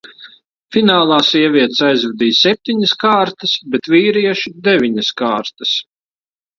Finālā sievietes aizvadīja septiņas kārtas, bet vīrieši – deviņas kārtas.